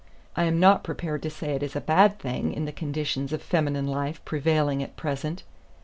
I am not prepared to say it is a bad thing in the conditions of feminine life prevailing at present.